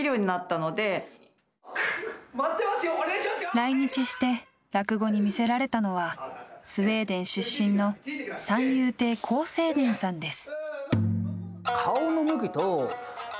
来日して落語に魅せられたのはスウェーデン出身の三遊亭好青年さんです。